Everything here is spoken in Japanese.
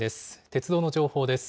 鉄道の情報です。